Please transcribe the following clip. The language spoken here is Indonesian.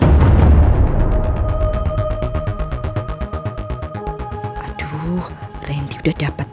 semoga usahaku buat nahan orang itu berhasil